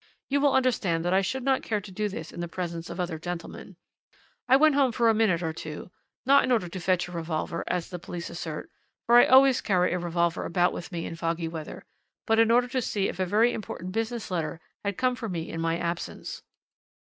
You will understand that I should not care to do this in the presence of other gentlemen. I went home for a minute or two not in order to fetch a revolver, as the police assert, for I always carry a revolver about with me in foggy weather but in order to see if a very important business letter had come for me in my absence.